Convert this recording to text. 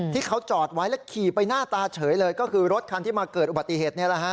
ที่เขาจอดไว้แล้วขี่ไปหน้าตาเฉยเลยก็คือรถคันที่มาเกิดอุบัติเหตุ